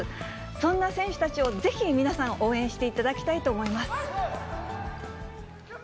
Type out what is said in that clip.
そんな選手たちをぜひ皆さん、応援していただきたいと思います。